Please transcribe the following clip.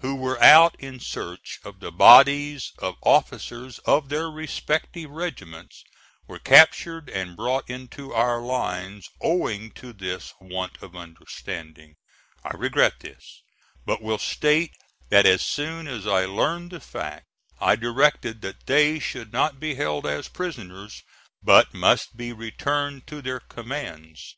who were out in search of the bodies of officers of their respective regiments, were captured and brought into our lines, owing to this want of understanding. I regret this, but will state that as soon as I learned the fact, I directed that they should not be held as prisoners, but must be returned to their commands.